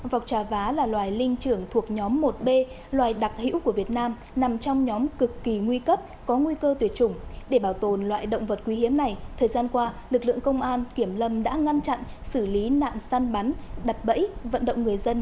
vọc trà vá là loài linh trưởng thuộc nhóm một b loài đặc hữu của việt nam nằm trong nhóm cực kỳ nguy cấp có nguy cơ tuyệt chủng để bảo tồn loài động vật quý hiếm này thời gian qua lực lượng công an kiểm lâm đã ngăn chặn xử lý nạn săn bắn đặt bẫy vận động người dân